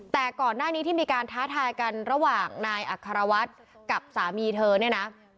แต่ก่อนหน้านี้ที่มีการท้าทายกันระหว่างนายอัครวัฒน์กับสามีเธอเนี่ยนะ